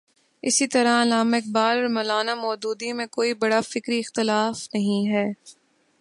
اسی طرح علامہ اقبال اور مو لا نا مو دودی میں کوئی بڑا فکری اختلاف نہیں ہے۔